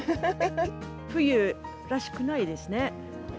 冬らしくないですね。